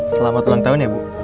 selamat ulang tahun ya bu